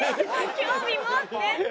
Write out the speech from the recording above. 興味持って！